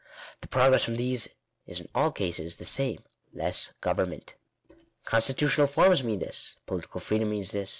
The progress from these is in all cases , the same — less government. Constitutional forms mean this. Political freedom means this.